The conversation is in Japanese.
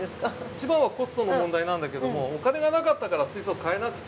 一番はコストの問題なんだけどもお金がなかったから水槽買えなくて。